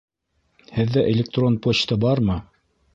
Һеҙҙә электрон почта бармы?